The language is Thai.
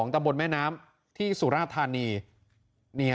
ตำบลแม่น้ำที่สุราธานี